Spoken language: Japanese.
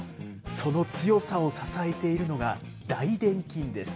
その強さを支えているのが、大殿筋です。